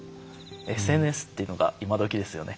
ＳＮＳっていうのが今どきですよね。